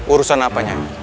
urusan apa nyai